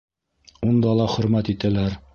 Унда ла хөрмәт итәләр.